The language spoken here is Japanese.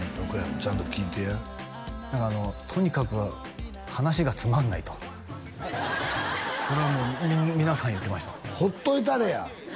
ちゃんと聞いてやとにかく話がつまんないとそれはもう皆さん言ってましたほっといたれや！